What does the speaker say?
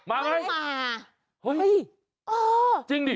มาไหมมาโอ้ยจริงดิ